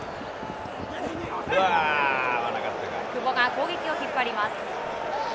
久保が攻撃を引っ張ります。